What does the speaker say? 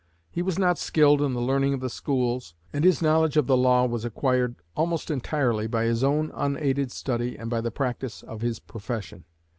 He was not skilled in the learning of the schools, and his knowledge of the law was acquired almost entirely by his own unaided study and by the practice of his profession.